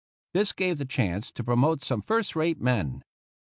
This gave the chance to promote some first rate men.